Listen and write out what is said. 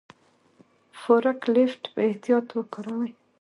فورک لیفټ په احتیاط وکاروئ.